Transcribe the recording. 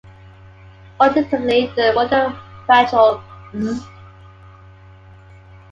Alternatively, the multifactorial "z"!